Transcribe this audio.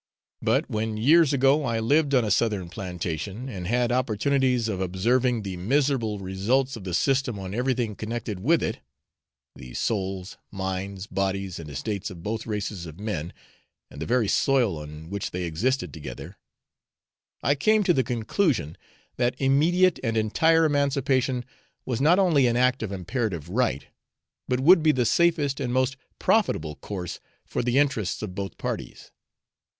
But when years ago I lived on a Southern plantation, and had opportunities of observing the miserable results of the system on everything connected with it the souls, minds, bodies, and estates of both races of men, and the very soil on which they existed together I came to the conclusion that immediate and entire emancipation was not only an act of imperative right, but would be the safest and most profitable course for the interests of both parties.